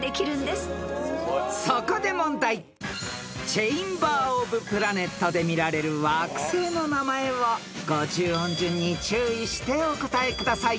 ［チェインバー・オブ・プラネットで見られる惑星の名前を５０音順に注意してお答えください］